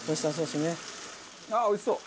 おいしそう。